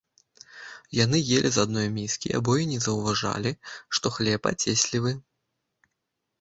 Яны елі з адной міскі, і абое не заўважалі, што хлеб ацеслівы.